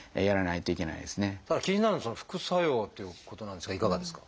ただ気になるのは副作用ということなんですがいかがですか？